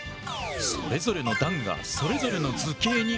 それぞれの段がそれぞれの図形に。